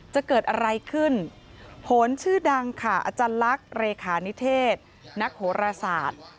จะเกิดอะไรขึ้นโหนชื่อดังค่ะอาจารย์ลักษณ์เลขานิเทศนักโหรศาสตร์